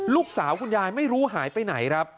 ลูกสาวคุณยายไม่รู้หายไปไหนครับ